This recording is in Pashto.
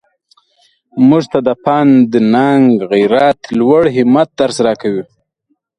موږ ته د پند ننګ غیرت لوړ همت درس راکوي.